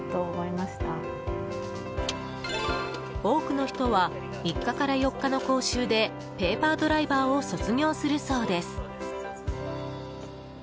多くの人は３日から４日の講習でペーパードライバーを卒業するそうです。